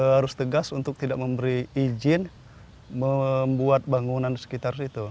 harus tegas untuk tidak memberi izin membuat bangunan di sekitar situ